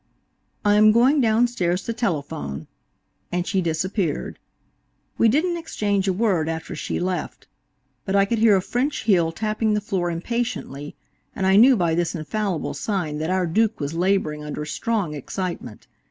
"I am going down stairs to telephone," and she disappeared. We didn't exchange a word after she left, but I could hear a French heel tapping the floor impatiently, and I knew by this infallible sign that our Duke was laboring under strong excitement.